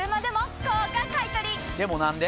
でも何で？